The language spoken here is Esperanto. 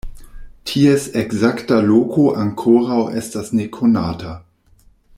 Ties ekzakta loko ankoraŭ estas nekonata.